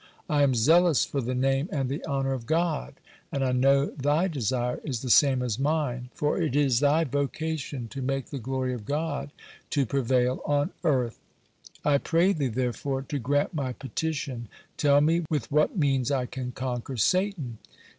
I am zealous for the name and the honor of God, and I know thy desire is the same as mine, for it is thy vocation to make the glory of God to prevail on earth. I pray thee, therefore, to grant my petition, tell me with what means I can conquer Satan."